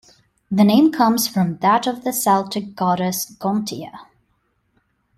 The name comes from that of the Celtic goddess Gontia.